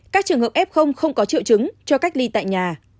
các trường hợp f không có triệu chứng cho cách ly tại nhà